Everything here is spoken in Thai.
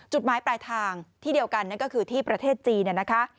จุดหมายปลายทางที่เดียวกันคือที่ประเทศจีน